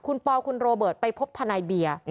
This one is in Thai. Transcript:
คุณปอคุณโรเบิร์ตไปพบทนายเบียร์